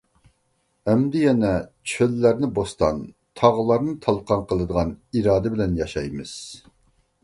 ئەمدى يەنە چۆللەرنى بوستان، تاغلارنى تالقان قىلىدىغان ئىرادە بىلەن ياشايمىز.